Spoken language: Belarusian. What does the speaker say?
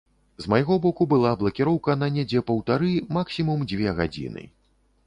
З майго боку была блакіроўка на недзе паўтары - максімум дзве гадзіны.